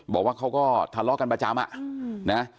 บอกว่าเขาก็ทะเลาะกันประจำอ่ะนะ